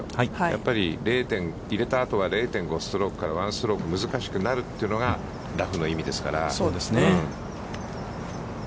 やっぱり入れたあとは０．５ストロークから１ストローク難しくなるというのがラフの意味ですから。